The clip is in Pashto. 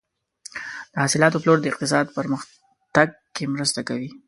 د حاصلاتو پلور د اقتصاد پرمختګ کې مرسته کوي.